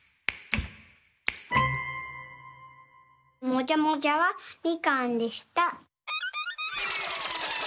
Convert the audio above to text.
もじゃもじゃはみかんでした。